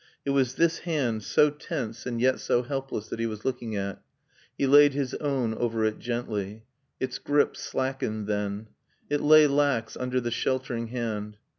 It was this hand, so tense and yet so helpless, that he was looking at. He laid his own over it gently. Its grip slackened then. It lay lax under the sheltering hand.